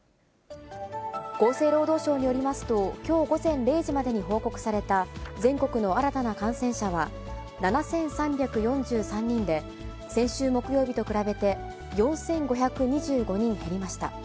厚生労働省によりますと、きょう午前０時までに報告された全国の新たな感染者は７３４３人で、先週木曜日と比べて、４５２２人減りました。